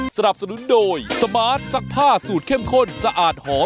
สวัสดีค่ะสวัสดีครับ